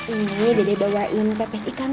ini dede bawain pepes ikan